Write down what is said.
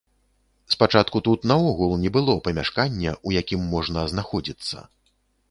Спачатку тут наогул не было памяшкання, ў якім можна знаходзіцца.